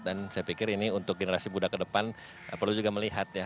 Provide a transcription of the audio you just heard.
dan saya pikir ini untuk generasi muda kedepan perlu juga melihat ya